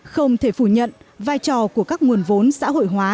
không thể phủ nhận vai trò của các nguồn vốn xã hội hóa